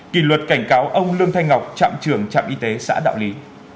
kỷ luật cảnh cáo ông lương thanh ngọc trạm trưởng trạm y tế xã đạo lý